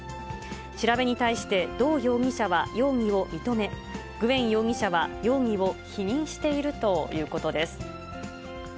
調べに対してドー容疑者は容疑を認め、グエン容疑者は容疑を否認しているということです。